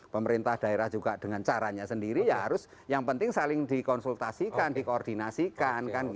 pemerintah daerah juga dengan caranya sendiri ya harus yang penting saling dikonsultasikan dikoordinasikan